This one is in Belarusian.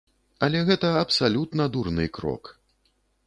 Але гэта абсалютна дурны крок.